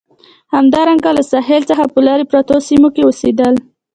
همدارنګه له ساحل څخه په لرې پرتو سیمو کې اوسېدل.